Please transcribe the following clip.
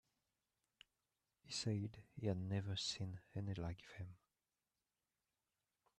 He said he had never seen any like them.